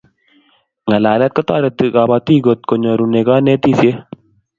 ngalalet kotareti kabatik kot konyorune kanetishiet